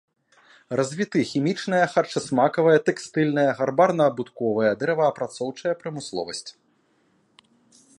Развіты хімічная, харчасмакавая, тэкстыльная, гарбарна-абутковая, дрэваапрацоўчая прамысловасць.